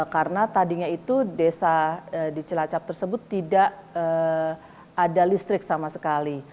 karena tadinya itu desa di cilacap tersebut tidak ada listrik sama sekali